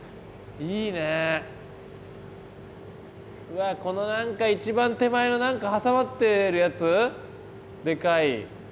うわこの何か一番手前の何か挟まってるやつでかい。